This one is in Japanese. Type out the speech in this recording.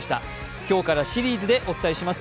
今日からシリーズでお伝えします